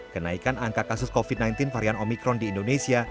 kenaikan angka kasus covid sembilan belas varian omikron di indonesia